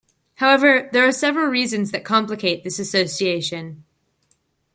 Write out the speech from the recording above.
However, there are several reasons that complicate this association.